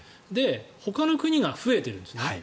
ほかの国が増えてるんですね。